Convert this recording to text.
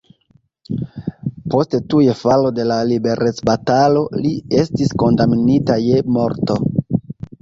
Post tuj falo de la liberecbatalo li estis kondamnita je morto.